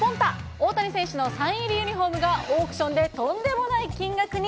大谷選手のユニホームがオークションでとんでもない金額に。